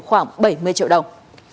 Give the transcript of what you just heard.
khoảng bảy mươi triệu đồng